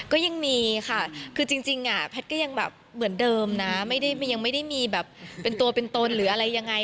ก็ยังมีค่ะคือจริงแพทย์ก็ยังแบบเหมือนเดิมนะไม่ได้ยังไม่ได้มีแบบเป็นตัวเป็นตนหรืออะไรยังไง